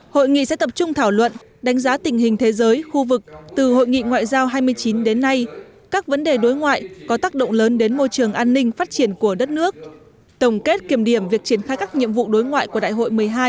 hội nghị sẽ tập trung thảo luận đánh giá tình hình thế giới khu vực từ hội nghị ngoại giao hai mươi chín đến nay các vấn đề đối ngoại có tác động lớn đến môi trường an ninh phát triển của đất nước tổng kết kiểm điểm việc triển khai các nhiệm vụ đối ngoại của đại hội một mươi hai